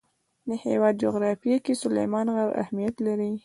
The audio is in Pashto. د هېواد جغرافیه کې سلیمان غر اهمیت لري.